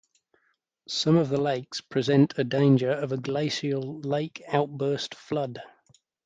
Some of the lakes present a danger of a glacial lake outburst flood.